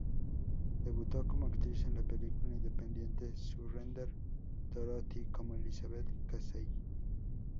Debutó como actriz en la película independiente "Surrender Dorothy" como Elizabeth Casey.